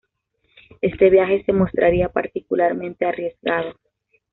Este viaje se mostraría particularmente arriesgado.